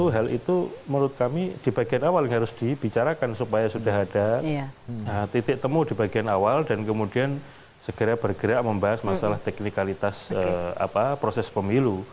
hal itu menurut kami di bagian awal yang harus dibicarakan supaya sudah ada titik temu di bagian awal dan kemudian segera bergerak membahas masalah teknikalitas proses pemilu